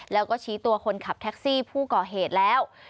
แล้วก็ชี้ตัวคนขับแท็กซี่ผู้ก่อเหตุแล้ว